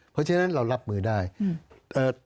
เพราะฉะนั้นเรารับมือได้อืม